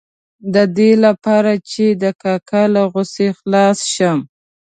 د دې لپاره چې د کاکا له غوسې خلاص شم.